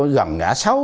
gần gã sáu